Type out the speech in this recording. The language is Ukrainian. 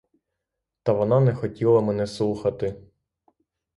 Та вона не хотіла мене слухати.